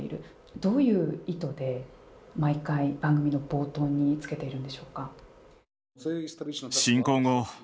どういう意図で毎回番組の冒頭に付けているんでしょうか。